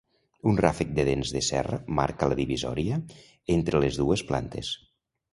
Un ràfec de dents de serra marca la divisòria entre les dues plantes.